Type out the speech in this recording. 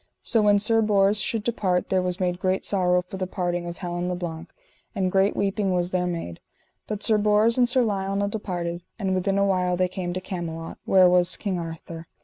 So when Sir Bors should depart there was made great sorrow for the departing of Helin le Blank, and great weeping was there made. But Sir Bors and Sir Lionel departed, and within a while they came to Camelot, where was King Arthur.